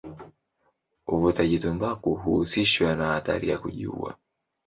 Uvutaji tumbaku huhusishwa na hatari ya kujiua.